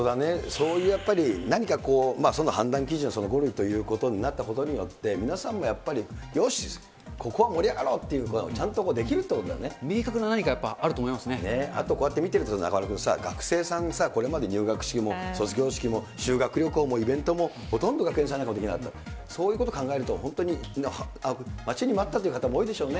そういうやっぱり、何か、その判断基準は５類ということになったことによって、皆さんがやっぱり、よし、ここは盛り上がろうと、ちゃんとできる明確な何かはやっぱりあるとあとこうやって見てると、中丸君さ、学生さんにこれまで入学式も卒業式も、修学旅行もイベントも、ほとんど学園祭なんかもできなかった、そういうこと考えると、本当に待ちに待ったという方も多いでしょうね。